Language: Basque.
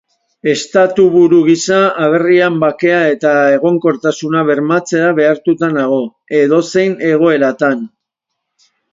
Estatuburu gisa, aberrian bakea eta egonkortasuna bermatzera behartuta nago, edozein egoeratan.